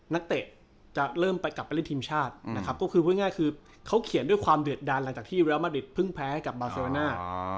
นักเตะจะเริ่มไปกลับไปเล่นทีมชาตินะครับก็คือพูดง่ายคือเขาเขียนด้วยความเดือดดันหลังจากที่เรียลมาริดเพิ่งแพ้ให้กับบาเซโรน่า